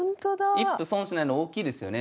一歩損しないの大きいですよね。